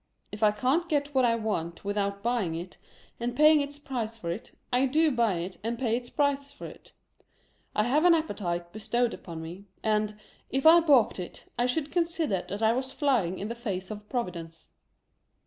If I can't get what I want without buying it, and paying its price for it, I do buy it and pay its price for it. I have an appetite bestowed upon me ; and, if I baulked it, I should consider that I was flying in the face of Providence.